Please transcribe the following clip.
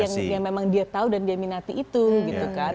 yang memang dia tahu dan dia minati itu gitu kan